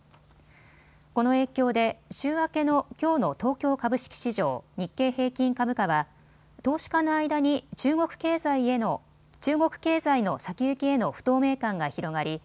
この影響で週明けのきょうの東京株式市場日経平均株価は投資家の間に中国経済の先行きへの不透明感が広がり